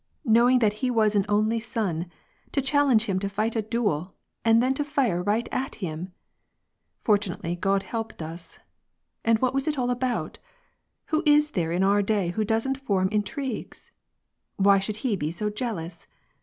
Knowing that he was an only son, to challenge him to fight a duel, and then to fire right at him ! Fortunately, God helped us. And what was it all about ? Who is there in our day who doesn't form intrigues ? Why should he be so jealous